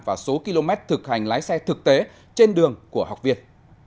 và số km thực hành lái xe thực tế trên đường của học viên